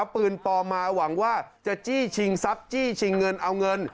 ปืนปลอมมาหวังว่าจะจี้ชิงทรัพย์จี้ชิงเงินเอาเงิน